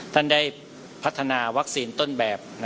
ท่านได้พัฒนาวัคซีนต้นแบบ